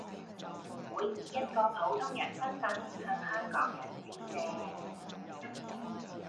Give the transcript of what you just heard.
會以一個普通人身份向香港人致謝